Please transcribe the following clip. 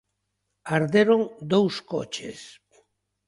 Arderon dous coches.